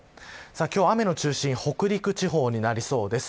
今日は雨の中心が北陸地方になりそうです。